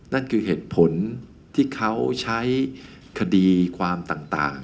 นั่นคือเหตุผลที่เขาใช้คดีความต่าง